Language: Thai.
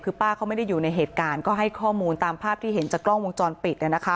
คือป้าเขาไม่ได้อยู่ในเหตุการณ์ก็ให้ข้อมูลตามภาพที่เห็นจากกล้องวงจรปิด